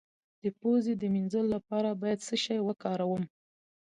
د پوزې د مینځلو لپاره باید څه شی وکاروم؟